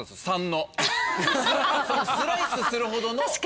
スライスするほどの。